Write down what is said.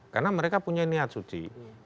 karena mereka punya niat suci